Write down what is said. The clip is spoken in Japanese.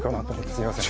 すみません。